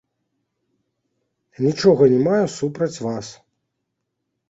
Нічога не маю супраць вас.